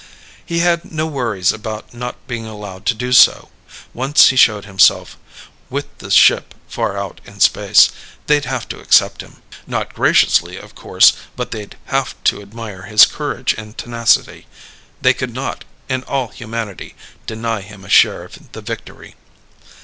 He had no worries about not being allowed to do so. Once he showed himself with the ship far out in space they'd have to accept him. Not graciously of course, but they'd have to admire his courage and tenacity. They could not, in all humanity, deny him a share of the victory.